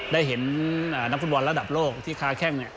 ได้เห็นนักฟุตบอลระดับโลกที่ค้าแข้ง